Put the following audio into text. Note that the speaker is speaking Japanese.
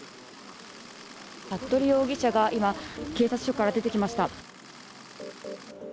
服部容疑者が今、警察署から出てきました。